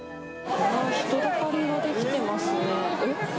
人だかりが出来てますね。